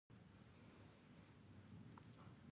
غني خان فلسفي شاعر دی.